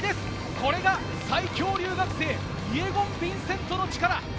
これが最強留学生、イェゴン・ヴィンセントの力。